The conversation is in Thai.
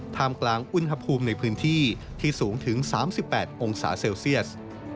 ท่ามกลางอุณหภูมิในพื้นที่ที่สูงถึง๓๘องศาเซลเซียส